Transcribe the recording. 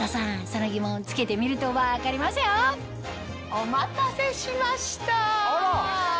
その疑問着けてみると分かりますよお待たせしました！